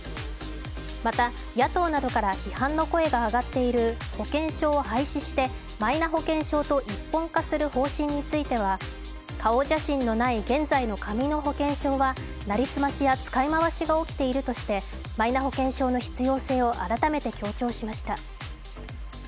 また、野党などから批判の声が上がっている保険証を廃止してマイナ保険証と一本化する方針については顔写真のない現在の紙の保険証は成り済ましや使い回しが起きているとしてマイナ保険証の必要性を改めて強調しました。